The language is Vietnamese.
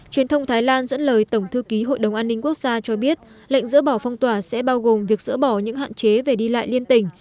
truyền thông thái lan dẫn lời tổng thư ký hội đồng an ninh quốc gia cho biết lệnh dỡ bỏ phong tỏa sẽ bao gồm việc dỡ bỏ những hạn chế về đi lại liên tỉnh